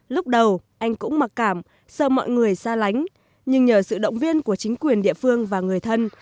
lúc đầu anh cũng mặc cảm sợ mọi người ra lánh nhưng nhờ sự động viên của chính quyền địa phương và người thân